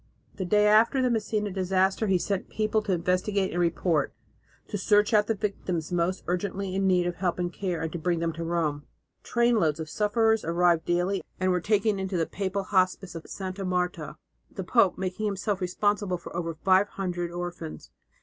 The day after the Messina disaster he sent people to investigate and report, to search out the victims most urgently in need of help and care and to bring them to Rome. Trainloads of sufferers arrived daily and were taken to the papal hospice of Santa Marta, the pope making himself responsible for over five hundred orphans.